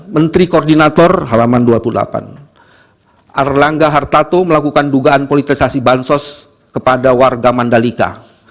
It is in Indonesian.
menteri koordinator halaman dua puluh delapan erlangga hartato melakukan dugaan politisasi bansos kepada warga mandalika